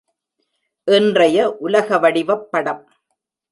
இன்றைய உலக வடிவப் படம்.